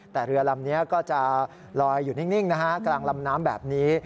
แต่เรือลำนี้ก็จะลอยอยู่นิ่งนะฮะกลางลำน้ำแบบนี้